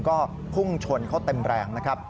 ก็พุ่งชนเขาเต็มแรงนะครับ